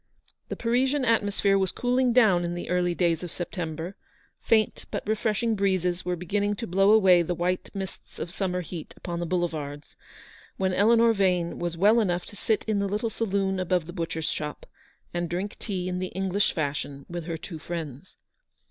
1G1 The Parisian atmosphere was cooling "down in the early days of September — faint but refreshing breezes were beginning to blow away the white mists of summer heat upon the boulevards, when Eleanor Vane was well enough to sit in the little saloon above the butcher's shop, and drink tea in the English fashion with her two friends.